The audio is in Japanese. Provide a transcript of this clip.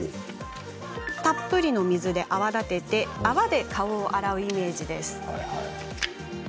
たっぷりの水で泡立てて泡で顔を洗うイメージです。